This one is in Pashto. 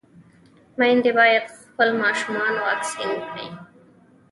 ميندې بايد خپل ماشومان واکسين کړي.